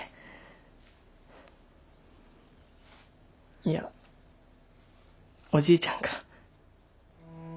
いやおじいちゃんか。